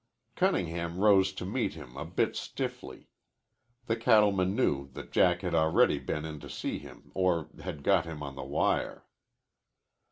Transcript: Cunningham rose to meet him a bit stiffly. The cattleman knew that Jack had already been in to see him or had got him on the wire.